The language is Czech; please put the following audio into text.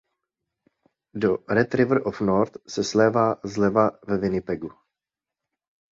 Do Red River of the North se vlévá zleva ve Winnipegu.